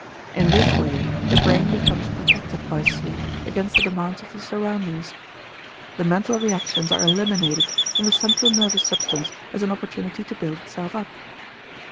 In this way the brain becomes protected by sleep against the demands of the surroundings. The mental reactions are eliminated and the central nervous substance has an opportunity to build itself up.